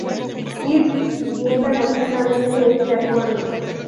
Kirk niega rotundamente este acuerdo.